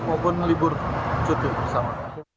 maupun libur cuti bersama